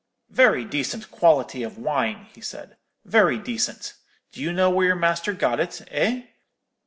"'Very decent quality of wine,' he said, 'very decent. Do you know where your master got it, eh?